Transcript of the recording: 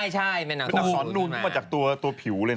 ใช่เป็นหนักซ้อนนุ่นมาจากตัวผิวเลยนะ